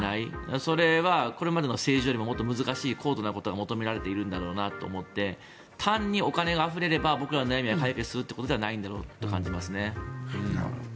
それはこれまでの政治よりももっと難しい高度なことが求められているんだろうなと思っていて単にお金があふれれば僕らの悩みが解決するということではないのだろうと感じます。